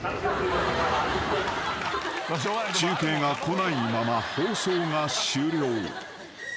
［中継がこないまま放送が終了］